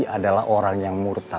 adalah orang yang murtad